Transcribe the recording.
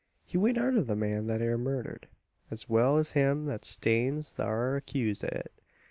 He went arter the man thet air murdered, as well as him thet stans thar accused o' it.